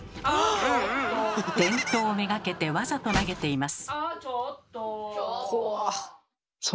電灯目がけてわざと投げています。